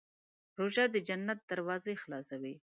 روژه د جنت دروازې خلاصوي.